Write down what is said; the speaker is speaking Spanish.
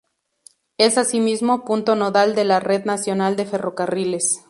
Es asimismo punto nodal de la red nacional de ferrocarriles.